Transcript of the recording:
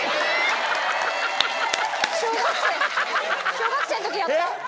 小学生の時やった。